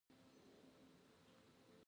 د څرمنې صنعت ولې کمزوری دی؟